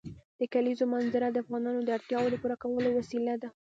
د کلیزو منظره د افغانانو د اړتیاوو د پوره کولو وسیله ده.